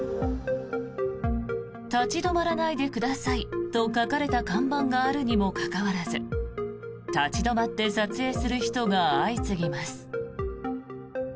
「立ち止まらないでください」と書かれた看板があるにもかかわらず立ち止まって撮影する人が相次ぎます。